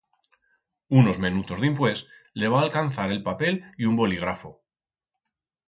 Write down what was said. Unos menutos dimpués le va alcanzar el papel y un boligrafo.